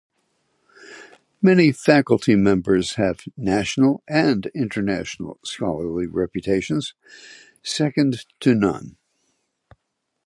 Many faculty members have national and international scholarly reputations second to none.